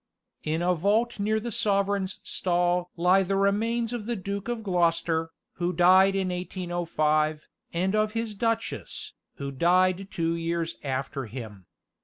In a vault near the sovereign's stall lie the remains of the Duke of Gloucester, who died in 1805, and of his duchess, who died two years after him.